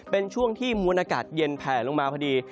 เป็นช่วงที่มวลอากาศเย็นแผลลงมาพอดี